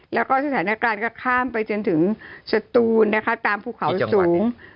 แล้วก็สถานการณ์ก็ข้ามไปจนถึงสตูนนะคะตามภูเขาสูง